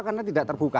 karena tidak terbuka